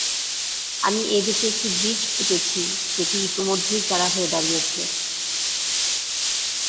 আমি এ দেশে একটি বীজ পুঁতেছি, সেটি ইতোমধ্যেই চারা হয়ে দাঁড়িয়েছে।